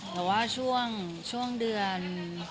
แต่ว่าช่วงเดือน